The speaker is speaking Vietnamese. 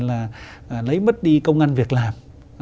là lấy bất đi công an việc làm